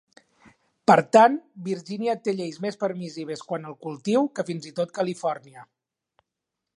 Per tant, Virgínia té lleis més permissives quant al cultiu que fins i tot Califòrnia.